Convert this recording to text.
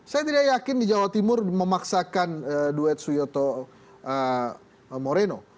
saya tidak yakin di jawa timur memaksakan duet suyoto moreno